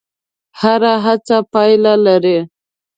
هره هڅه پایله لري.